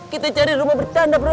kita cari rumah bercanda bro